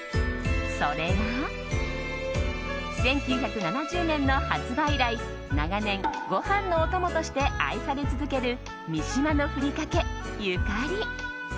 それが、１９７０年の発売以来長年、ご飯のお供として愛され続ける三島のふりかけ、ゆかり。